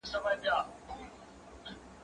دا خواړه له هغو تازه دي،